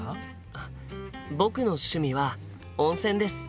あっ僕の趣味は温泉です。